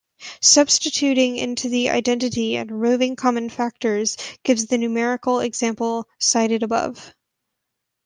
Substituting into the identity and removing common factors gives the numerical example cited above.